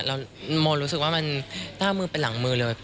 แล้วโมรู้สึกว่ามันต้ามือเป็นหลังมือเลย